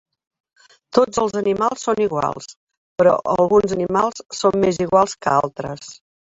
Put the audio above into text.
Tots els animals són iguals, però alguns animals són més iguals que altres.